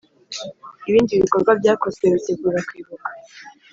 Ibindi bikorwa byakozwe bitegura kwibuka